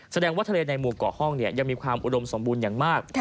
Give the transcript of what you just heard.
แสดงว่าทะเลในหมู่เกาะห้องยังมีความอุดมสมบูรณ์อย่างมาก